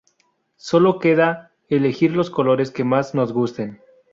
Solo queda elegir los colores que más nos gusten.